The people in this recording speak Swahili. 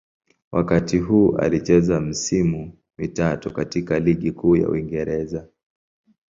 Wakati huu alicheza misimu mitatu katika Ligi Kuu ya Uingereza.